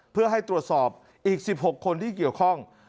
เพื่อให้ตรวจสอบอีก๑๖คนที่เกี่ยวข้อง